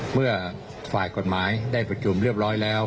เมื่อฝ่ายกฎหมายได้ประชุมเรียบร้อยแล้ว